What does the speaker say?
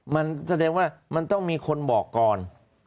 มันแสดงว่ามันต้องมีคนบอกก่อน